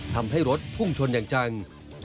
ทำให้รถพุ่งชนอย่างจัง